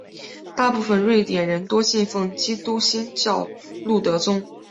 大部分瑞典人多信奉基督新教路德宗。